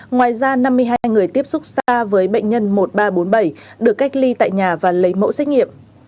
ngoài ra năm mươi hai người tiếp xúc xa với bệnh nhân một nghìn ba trăm bốn mươi bảy được cách ly tại nhà và lấy mẫu xét nghiệm